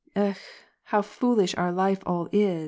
'^£kh ! how foolish our life all is